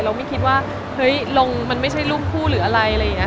เราก็ไม่คิดว่าลงมันไม่ใช่รุ่งคู่หรืออะไร